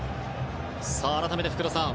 改めて、福田さん